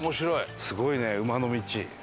すごいね馬の道。